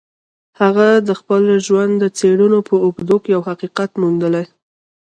هغه د خپل ژوند د څېړنو په اوږدو کې يو حقيقت موندلی.